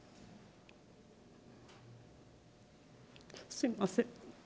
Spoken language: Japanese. すいません。